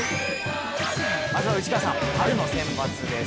まずは内川さん、春のセンバツです。